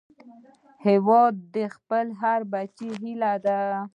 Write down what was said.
هیواد د خپل هر بچي هيله ده